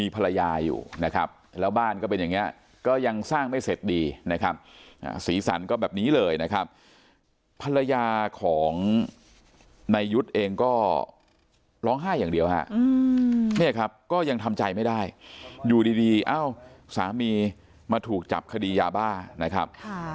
ภรรยาของนายยุทธ์เองก็ร้องไห้อย่างเดียวครับเนี่ยครับก็ยังทำใจไม่ได้อยู่ดีเอ้าสามีมาถูกจับคดียาบ้านะครับ